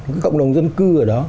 một cộng đồng dân cư ở đó